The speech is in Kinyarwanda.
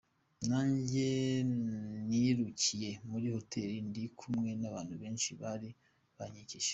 Nanjye nirukiye muri hoteli ndi kumwe n’abantu benshi bari bankikije.